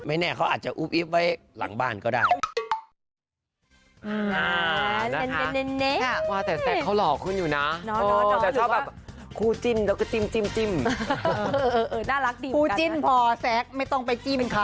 ไม่แน่เขาอาจจะอุ๊บไว้หลังบ้านก็ได้